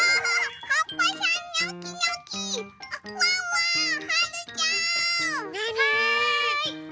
はい！